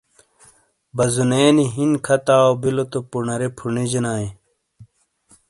بزونے نی ہِن کھتاؤ بِیلو تو پُنارے پھُنیجینائیے۔